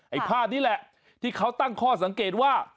ภาพนี้แหละที่เขาตั้งข้อสังเกตว่า